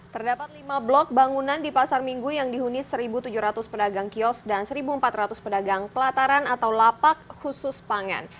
terdapat lima blok bangunan di pasar minggu yang dihuni satu tujuh ratus pedagang kios dan satu empat ratus pedagang pelataran atau lapak khusus pangan